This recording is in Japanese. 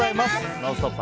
「ノンストップ！」